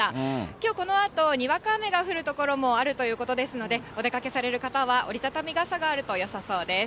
きょう、このあと、にわか雨が降る所もあるということですので、お出かけされる方は折り畳み傘があるとよさそうです。